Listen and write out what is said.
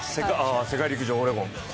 世界陸上オレゴン